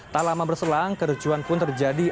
tak lama berselang kericuan pun terjadi